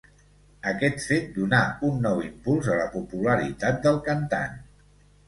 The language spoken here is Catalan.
Aquest fet donà un nou impuls a la popularitat del cantant.